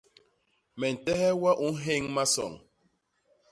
Me ntehe we u nhéñ masoñ.